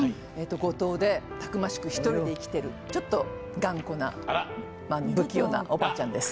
五島でたくましく１人で生きているちょっと頑固な不器用なおばあちゃんです。